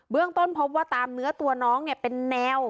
เบื้องต้นพบว่าตามเนื้อตัวน้องเนี่ยเป็นแนว